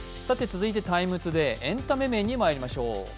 続いて「ＴＩＭＥ，ＴＯＤＡＹ」エンタメ面にまいりましょう。